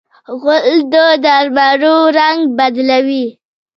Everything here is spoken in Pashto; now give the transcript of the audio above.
غول د درملو رنګ بدلوي.